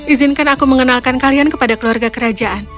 izinkan aku mengenalkan kalian kepada keluarga kerajaan